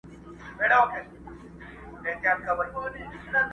هغه شملې ته پیدا سوی سر په کاڼو ولي،